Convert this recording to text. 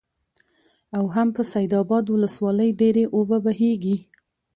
او هم په سيدآباد ولسوالۍ ډېرې اوبه بهيږي،